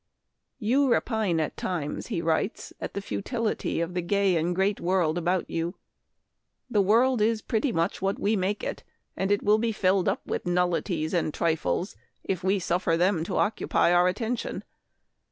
"You repine at times," he writes, " at the futility of the gay and great world about you. The world is pretty much what we make it, and it will be filled up with nullities and trifles if we suffer them to occupy our attention.